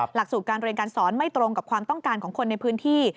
หลักสูตรการเรียนการสอนไม่ตรงกับความต้องการของคนในพื้นที่